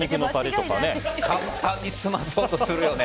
簡単に済ませようとするよね。